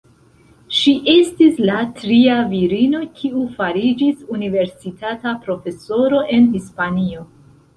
Ŝi estis la tria virino kiu fariĝis universitata profesoro en Hispanio.